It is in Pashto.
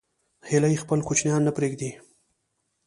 هیلۍ خپل کوچنیان نه پرېږدي